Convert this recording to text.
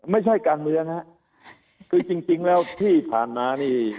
ไม่ใช่การเมืองฮะคือจริงจริงแล้วที่ผ่านมานี่